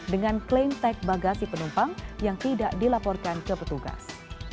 dengan klaim tech bagasi penumpang yang tidak dilaporkan ke petugas